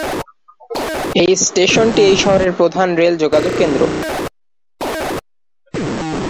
এই স্টেশনটি এই শহরের প্রধান রেল যোগাযোগ কেন্দ্র।